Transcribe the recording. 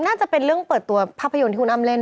น่าจะเป็นเรื่องเปิดตัวภาพยนตร์ที่คุณอ้ำเล่น